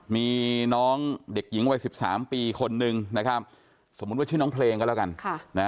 มีน้องเด็กหญิงวัย๑๓ปีคนนึงนะครับสมมุติว่าชื่อน้องเพลงก็แล้วกัน